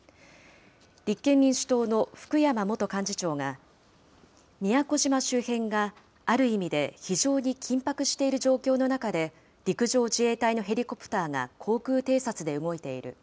立憲民主党の福山元幹事長が、宮古島周辺がある意味で非常に緊迫している状況の中で、陸上自衛隊のヘリコプターが航空偵察で動いている。